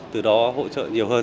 từ đó hỗ trợ nhiều hơn